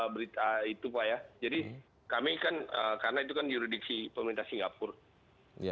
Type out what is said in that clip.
berita itu pak ya jadi kami kan karena itu kan juridiksi pemerintah singapura